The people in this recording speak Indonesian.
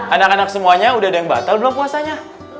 anak anak semuanya udah ada yang batal belum puasanya